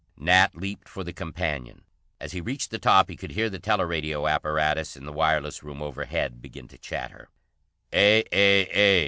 Nat leaped for the companion. As he reached the top he could hear the teleradio apparatus in the wireless room overhead begin to chatter: "A A A.